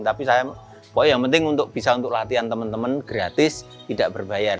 tapi saya poin yang penting untuk bisa untuk latihan teman teman gratis tidak berbayar